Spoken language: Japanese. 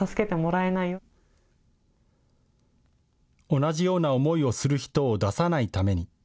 同じような思いをする人を出さないために。